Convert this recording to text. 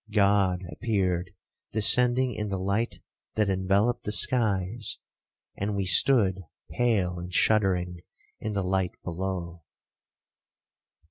God appeared descending in the light that enveloped the skies—and we stood pale and shuddering in the light below.